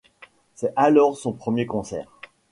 C'est alors son premier concert.